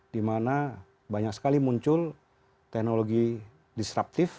di mana banyak sekali muncul teknologi disruptif